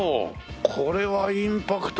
これはインパクトあるわ。